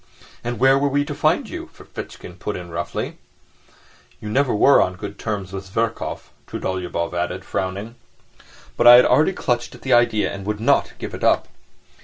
"And where were we to find you?" Ferfitchkin put in roughly. "You never were on good terms with Zverkov," Trudolyubov added, frowning. But I had already clutched at the idea and would not give it up.